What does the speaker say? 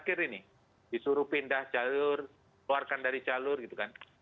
jadi parkir ini disuruh pindah jalur keluarkan dari jalur gitu kan